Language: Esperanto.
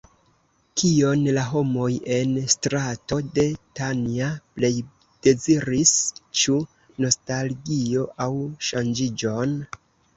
Kion la homoj en Strato de Tanja plej deziris, ĉu nostalgion aŭ ŝanĝiĝon?